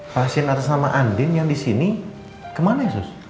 pasien atas nama andin yang di sini kemana yesus